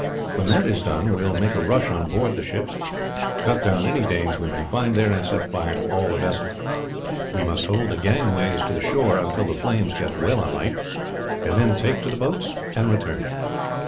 When that is done we will make a rush on board the ships, cut down any Danes we may find there, and set fire to all the vessels. We must hold the gangways to the shore until the flames get well alight, and then take to the boats and return."